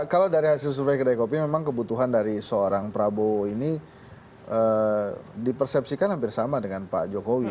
kalau dari hasil survei kedai kopi memang kebutuhan dari seorang prabowo ini dipersepsikan hampir sama dengan pak jokowi